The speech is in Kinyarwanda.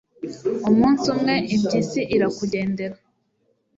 umunsi umwe, impyisi irakugendera